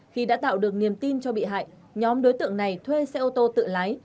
khi đã tạo được niềm tin cho bị hại nhóm đối tượng này thuê xe ô tô tự lái